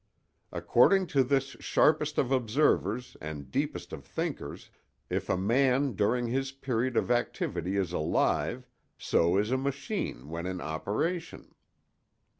According to this sharpest of observers and deepest of thinkers, if a man during his period of activity is alive, so is a machine when in operation.